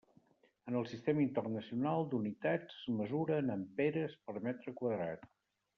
En el sistema internacional d'unitats es mesura en amperes per metre quadrat.